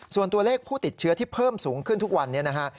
ส่วนตัวเลขผู้ติดเชื้อที่เพิ่มสูงขึ้นทุกวันนี้นะฮะ